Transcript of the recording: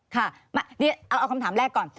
ค่ะเอาคำถามแรกก่อน